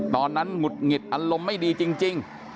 หงุดหงิดอารมณ์ไม่ดีจริง